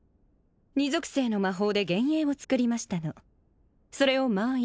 ２属性の魔法で幻影を作りましたのそれを間合い